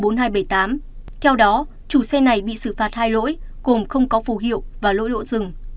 theo đó chủ xe này bị xử phạt hai lỗi gồm không có phù hiệu và lỗi đỗ dừng